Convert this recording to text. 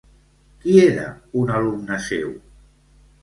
Qui era un alumne seu?